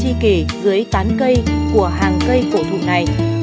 chỉ kể dưới tán cây của hàng cây cổ thụ này